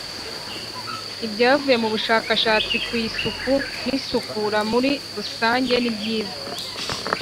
Ibyavuye mu bushakashatsi ku isuku n isukura muri rusange nibyiza